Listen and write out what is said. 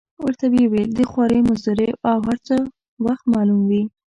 ورته ویې ویل: د خوارۍ مزدورۍ او هر څه وخت معلوم وي.